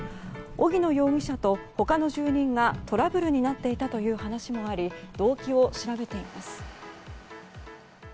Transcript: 荻野容疑者と他の住人がトラブルになっていたという話もあり動機を調べています。